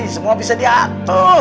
semua bisa diatur